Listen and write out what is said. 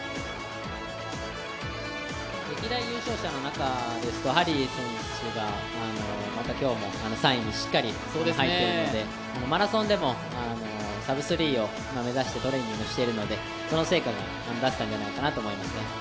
歴代優勝者の中ですとハリー選手が、また３位にしっかり入っているのでマラソンでもサブスリーを目指してトレーニングしているのでその成果が出せたんじゃないかなと思います。